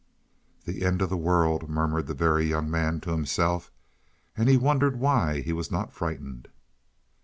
"The end of the world," murmured the Very Young Man to himself. And he wondered why he was not frightened.